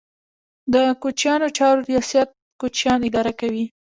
د کوچیانو چارو ریاست کوچیان اداره کوي